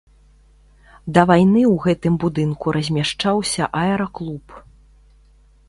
Да вайны ў гэтым будынку размяшчаўся аэраклуб.